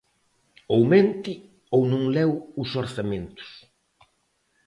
Ou mente, ou non leu os orzamentos.